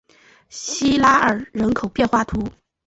西拉尔人口变化图示